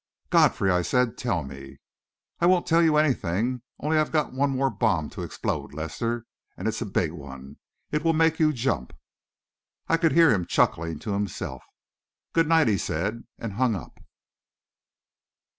"Godfrey," I said, "tell me...." "I won't tell you anything. Only I've got one more bomb to explode, Lester, and it's a big one. It will make you jump!" I could hear him chuckling to himself. "Good night," he said, and hung up.